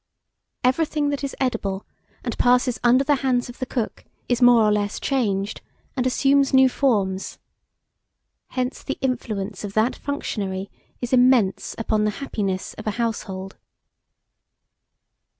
Everything that is edible, and passes under the hands of the cook, is more or less changed, and assumes new forms. Hence the influence of that functionary is immense upon the happiness of a household.